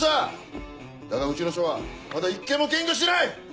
だがうちの署はまだ１件も検挙してない！